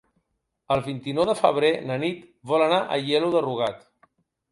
El vint-i-nou de febrer na Nit vol anar a Aielo de Rugat.